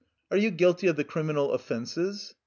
Are you guilty of the criminal offenses?